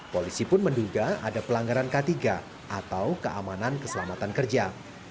polisi pun menduga ada pelanggaran k tiga atau keamanan keselamatan kerja